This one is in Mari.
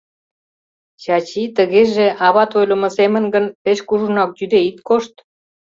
Чачи, тыгеже, ават ойлымо семын гын, пеш кужунак йӱде ит кошт.